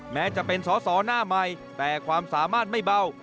แม้จะเป็นสอสอหน้าใหม่แต่ความสามารถไม่เบา